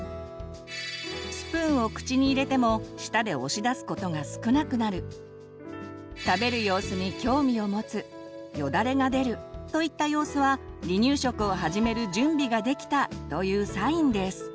スプーンを口に入れても舌で押し出すことが少なくなる食べる様子に興味を持つよだれが出るといった様子は「離乳食を始める準備ができた」というサインです。